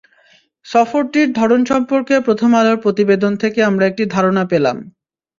সফরটির ধরন সম্পর্কে প্রথম আলোর প্রতিবেদন থেকে আমরা একটি ধারণা পেলাম।